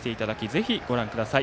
ぜひご覧ください。